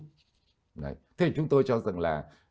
thế thì chúng tôi cho rằng là